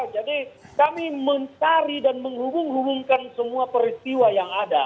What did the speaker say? jadi kami mencari dan menghubung hubungkan semua peristiwa yang ada